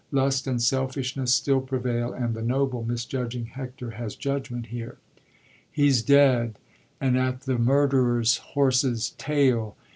Lust and selfishness still prevail, and the noble, misjudging Hector has judgment here, — "He's dead; and at the marderer's horse's tall.